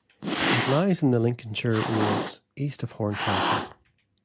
It lies in the Lincolnshire Wolds, east from Horncastle.